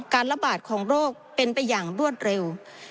ระบาดของโรคเป็นไปอย่างรวดเร็ว